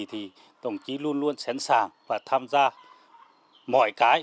thì đồng chí luôn luôn sẵn sàng và tham gia mọi cái